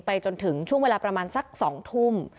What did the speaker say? ไปจนถึงช่วงเวลาสักสองทุ่ม